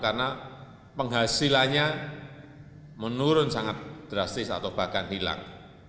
karena penghasilannya menurun sangat drastis atau bahkan hilang